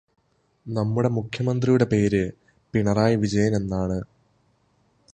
നമ്മുടെ മുഖ്യമന്ത്രിയുടെ പേര് പിണറായി വിജയൻ എന്നാണ്.